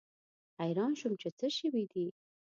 حیران شوم چې څه شوي دي.